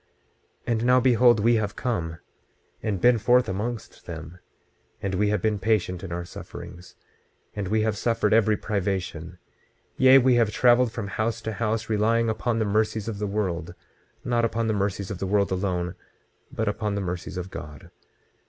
26:28 And now behold, we have come, and been forth amongst them; and we have been patient in our sufferings, and we have suffered every privation; yea, we have traveled from house to house, relying upon the mercies of the world—not upon the mercies of the world alone but upon the mercies of God.